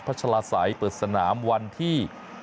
ชะลาศัยเปิดสนามวันที่